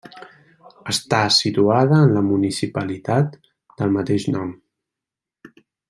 Està situada en la municipalitat del mateix nom.